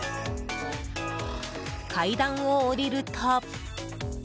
階段を下りると。